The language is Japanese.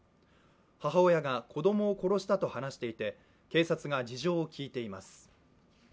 母親が子供を殺したと話していて警察が事情を聴いています。